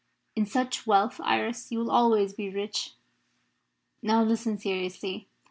"In such wealth, Iris, you will always be rich. Now listen seriously.